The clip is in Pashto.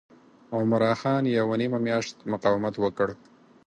عمرا خان یوه نیمه میاشت مقاومت وکړ.